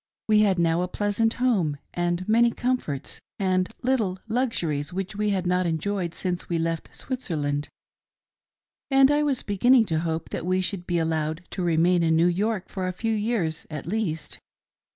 We had now a pleasant home and many comforts and little luxuries which we had not enjoyed since we left Switzerland, and I was beginning to hope that we should be allowed to remain in New York for a few years at least.